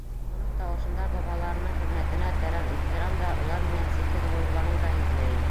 Уның тауышында бабаларының хеҙмәтенә тәрән ихтирам да, улар менән сикһеҙ ғорурланыу ҙа һиҙелә ине.